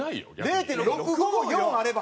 ０．６５４あれば。